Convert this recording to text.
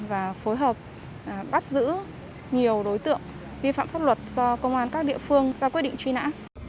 và phối hợp bắt giữ nhiều đối tượng vi phạm pháp luật do công an các địa phương ra quyết định truy nã